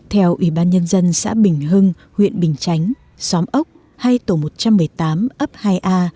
theo ủy ban nhân dân xã bình hưng huyện bình chánh xóm ốc hay tổ một trăm một mươi tám ấp hai a